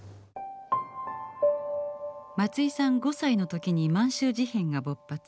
松居さん５歳の時に満州事変が勃発。